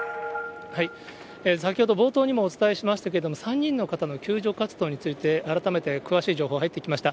先ほど冒頭にもお伝えしましたけれども、３人の方の救助活動について、改めて詳しい情報が入ってきました。